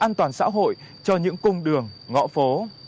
và tự an toàn xã hội cho những cùng đường ngõ phố